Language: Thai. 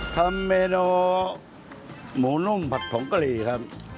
ทำเมนูหมูนุ่มผัดผงกะหรี่ครับ